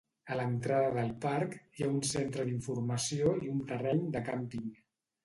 A l'entrada del parc, hi ha un centre d'informació i un terreny de càmping.